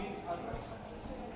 jangan lupa untuk berlangganan